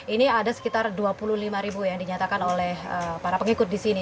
ini ada sekitar dua puluh lima ribu yang dinyatakan oleh para pengikut di sini